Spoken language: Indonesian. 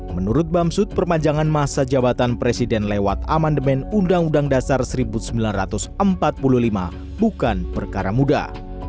menurut bamsud perpanjangan masa jabatan presiden lewat amandemen undang undang dasar seribu sembilan ratus empat puluh lima bukan perkara mudah